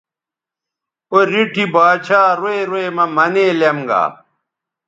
او ریٹھی با ڇھا روئ روئ مہ منے لیم گا